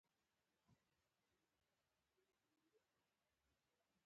د شپږم ټولګي په کلنۍ ازموینه کې اول نومره شوی وم.